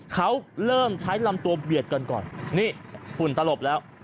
เขาเริ่มใช้ลำตัวเบียดกันก่อนนี่ฝุ่นตลบแล้ว